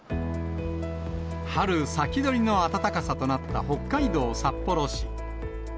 春先取りの暖かさとなった北海道札幌市。